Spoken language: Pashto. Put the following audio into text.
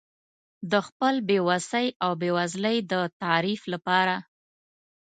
د خپل بې وسۍ او بېوزلۍ د تعریف لپاره.